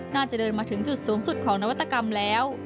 เดินมาถึงจุดสูงสุดของนวัตกรรมแล้ว